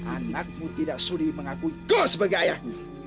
anakmu tidak sulit mengakui kau sebagai ayahmu